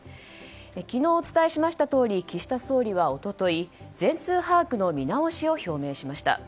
昨日お伝えしましたとおり岸田総理は一昨日、全数把握の見直しを表明しました。